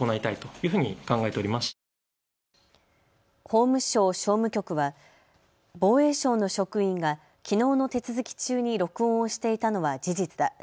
法務省訟務局は防衛省の職員がきのうの手続き中に録音をしていたのは事実だ。